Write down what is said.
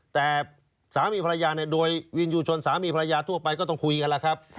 แต่สามีภรรยาเนี่ยโดยวินยูชนสามีภรรยาทั่วไปก็ต้องคุยกันแล้วครับ